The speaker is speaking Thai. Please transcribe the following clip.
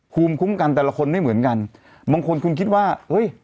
ภูมิคุ้มกันแต่ละคนไม่เหมือนกันบางคนคุณคิดว่าเฮ้ย